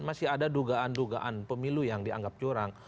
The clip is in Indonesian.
masih ada dugaan dugaan pemilu yang dianggap curang